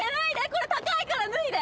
これ高いから脱いで。